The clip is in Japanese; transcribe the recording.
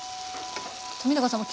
冨永さん